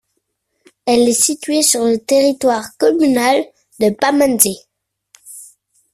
Elle est située sur le territoire communal de Pamandzi.